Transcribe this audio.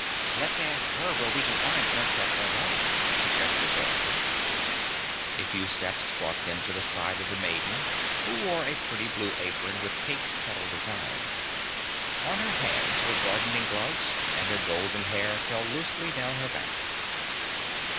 "Let's ask her where we can find Princess Ozana," suggested Dorothy. A few steps brought them to the side of the maiden who wore a pretty blue apron with a pink petal design. On her hands were gardening gloves and her golden hair fell loosely down her back.